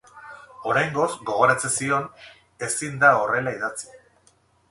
Oraingoz, gogoratzen zion, ezin da horrela idatzi.